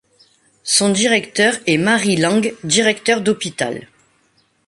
Son directeur est Marie Lang, directeur d'hôpital.